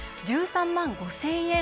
１３万５０００円